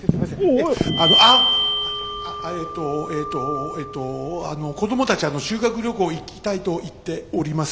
えっとえっとえっとあの子供たちあの修学旅行行きたいと言っております。